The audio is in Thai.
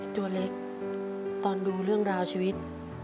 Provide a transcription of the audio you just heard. ตัวเล็กตอนดูเรื่องราวชีวิต